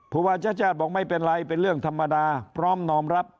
ผู้ว่าชาติชาติบอกไม่เป็นไรเป็นเรื่องธรรมดาพร้อมนอมรับ